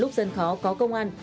lúc dân khó có công an